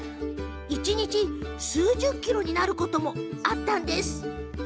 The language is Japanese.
一日、数十ｋｇになることもあったんです。